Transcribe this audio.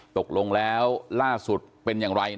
ตกลงแล้วล่าสุดเป็นอย่างไร